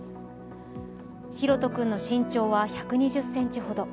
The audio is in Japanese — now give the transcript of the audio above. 大翔君の身長は１２０ｃｍほど。